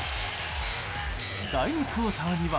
第２クオーターには。